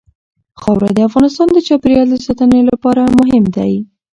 خاوره د افغانستان د چاپیریال ساتنې لپاره مهم دي.